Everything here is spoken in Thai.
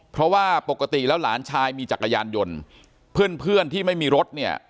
เพราะว่าปกติแล้วหลานชายมีจักรยานยนต์เพื่อนเพื่อนที่ไม่มีรถเนี่ย